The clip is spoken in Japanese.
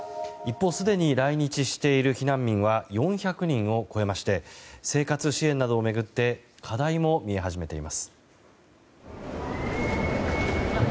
一方すでに来日している避難民は４００人を超えまして生活支援などを巡って課題も見え始めています。